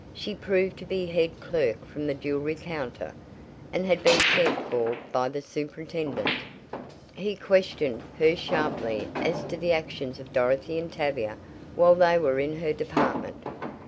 She proved to be head clerk from the jewelry counter, and had been sent for by the superintendent. He questioned her sharply as to the actions of Dorothy and Tavia while they were in her department.